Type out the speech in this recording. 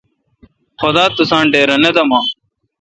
خدا تساں ڈیراے° نہ دمہ۔